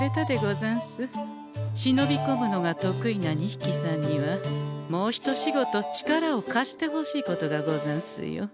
しのびこむのが得意な２ひきさんにはもうひと仕事力を貸してほしいことがござんすよ。